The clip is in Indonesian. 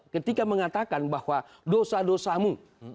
ketika mengatakan bahwa dosa dosamu